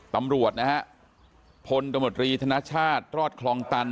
ตำรวจนะฮะพลตมตรีธนชาติรอดคลองตัน